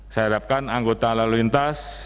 saya harapkan anggota lalu lintas